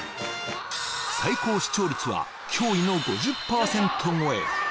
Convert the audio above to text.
最高視聴率は驚異の５０％超え